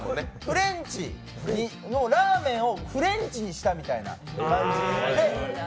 ラーメンをフレンチにしたみたいな感じで。